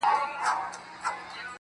• د ښایستونو خدایه سر ټیټول تاته نه وه.